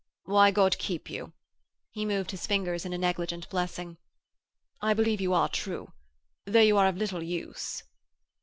'Why, God keep you,' he moved his fingers in a negligent blessing 'I believe you are true, though you are of little use.'